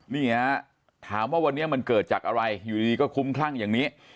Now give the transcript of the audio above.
นี่ฮะถามว่าวันนี้มันเกิดจากอะไรอยู่ดีก็คุ้มคลั่งอย่างนี้